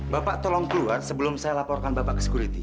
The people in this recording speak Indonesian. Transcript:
bapak tolong keluar sebelum saya laporkan bapak ke security